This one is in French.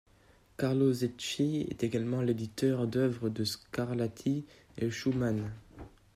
Carlo Zecchi est également l'éditeur d'œuvres de Scarlatti et Schumann.